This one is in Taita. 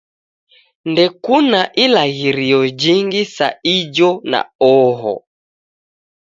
Ndekuna ilaghirio jingi sa ijo na oho